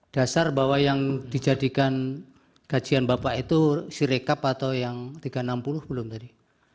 dasar bahwa yang dijadikan kajian bapak itu sirekap atau yang tiga ratus enam puluh belum tadi